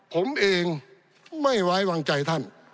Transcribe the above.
ผมเองไม่ไว้วางใจท่าน